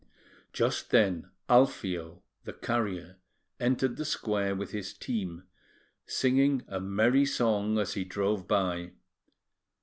Just then, Alfio, the carrier, entered the square with his team, singing a merry song as he drove by.